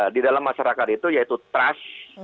di dalam masyarakat itu yaitu trust